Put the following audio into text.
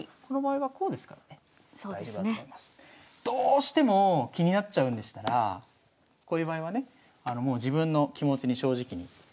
どうしても気になっちゃうんでしたらこういう場合はねもう自分の気持ちに正直に。